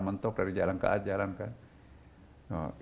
mentok dari jalan ke atas jalan ke atas